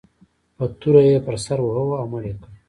په توره یې پر سر وواهه او مړ یې کړ.